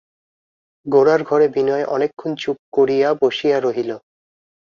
গোরার ঘরে বিনয় অনেকক্ষণ চুপ করিয়া বসিয়া রহিল।